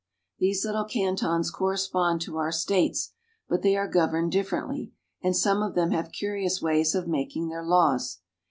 These little cantons correspond to our states ; but they are governed differently, and some of them have curious ways of making their laws.